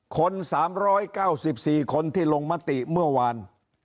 คน๓๙๔คนที่ลงมติเมื่อวาน